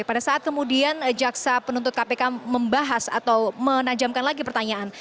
pada saat kemudian jaksa penuntut kpk membahas atau menajamkan lagi pertanyaan